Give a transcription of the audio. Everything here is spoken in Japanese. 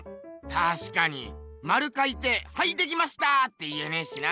たしかにまるかいてはいできましたって言えねえしな。